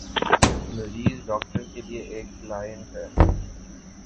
مریض ڈاکٹر کے لیے ایک "کلائنٹ" ہے۔